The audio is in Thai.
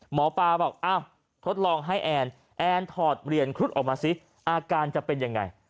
หมอปลาบอกอ้าวทดลองให้แอนแอนถอดเหรียญครุฑออกมาสิอาการจะเป็นยังไง